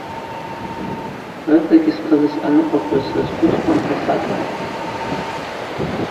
Рыцӏагьи схъазы съаныкъвакваз срызхъвыцхуанта сацӏархӏахуан.